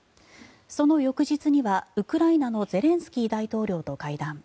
その翌日にはウクライナのゼレンスキー大統領と会談。